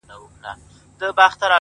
نه پوهېږم د دې کيف له برکته;